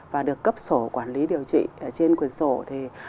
và được cấp sổ quản lý điều trị trên quyền sổ